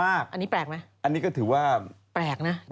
อันนี้ก็ถือว่าแปลกนะ